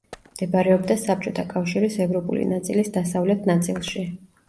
მდებარეობდა საბჭოთა კავშირის ევროპული ნაწილის დასავლეთ ნაწილში.